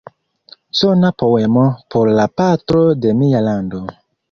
Sona poemo por la patro de mia lando".